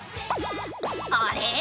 あれ？